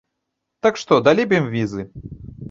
Так што, далі б ім візы?